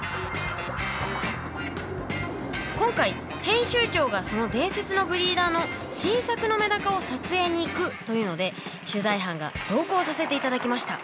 今回編集長がその伝説のブリーダーの新作のメダカを撮影に行くというので取材班が同行させて頂きました。